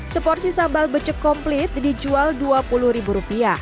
seporsi sambal becek komplit dijual rp dua puluh